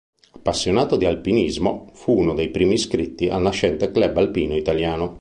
Appassionato di alpinismo, fu uno dei primi iscritti al nascente Club Alpino Italiano.